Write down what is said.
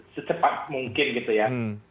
secepat mungkin gitu ya